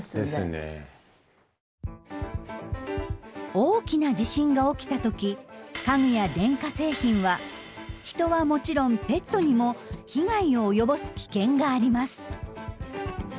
大きな地震が起きた時家具や電化製品は人はもちろんペットにも被害を及ぼす危険があります。